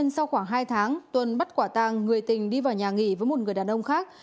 sau khoảng hai tháng tuân bắt quả tàng người tình đi vào nhà nghỉ với một người đàn ông khác